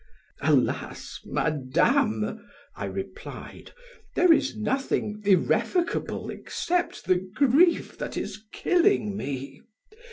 "Alas! madame," I replied, "there is nothing irrevocable except the grief that is killing me.